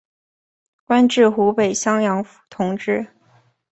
官至湖北襄阳府同知。